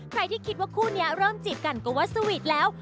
ใครที่คิดว่าคู่นี้เริ่มจีบกันก็ว่าสวีทแล้ว